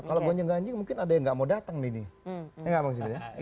kalau gonjang ganjing mungkin ada yang nggak mau datang nih